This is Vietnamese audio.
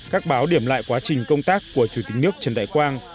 các báo điểm lại quá trình công tác của chủ tịch nước trần đại quang